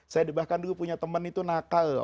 saya bahkan dulu punya teman itu nakal loh